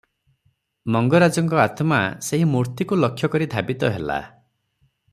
ମଙ୍ଗରାଜଙ୍କ ଆତ୍ମା ସେହି ମୂର୍ତ୍ତିକୁ ଲକ୍ଷ୍ୟକରି ଧାବିତ ହେଲା ।